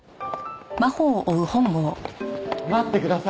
待ってください！